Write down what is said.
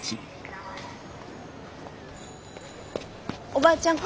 おばあちゃん。